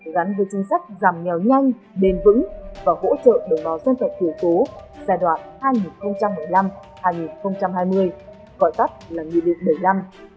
gắn với trinh sách giảm nghèo nhanh bền vững và hỗ trợ đồng bào dân tộc cử tố giai đoạn hai nghìn bảy mươi năm hai nghìn hai mươi gọi tắt là nguyên định bảy mươi năm